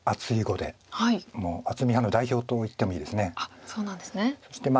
もう厚み派の代表といってもいいです。